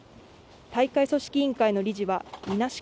大会組織委員会の理事はみなし